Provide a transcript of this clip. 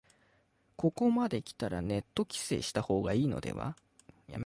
ここまできたらネット規制した方がいいのでは